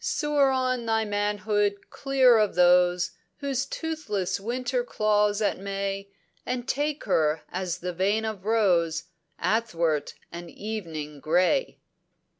"Soar on thy manhood clear of those Whose toothless Winter claws at May, And take her as the vein of rose Athwart an evening grey."